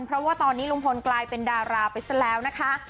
เพราะว่าตอนนี้ลุงพลกลายเป็นดาราไปซะแล้วนะคะ